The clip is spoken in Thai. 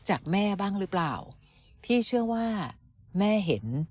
จากแม่บ้างหรือเปล่าพี่เชื่อว่าแม่เห็น